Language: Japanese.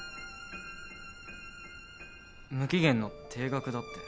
無期限の停学だって。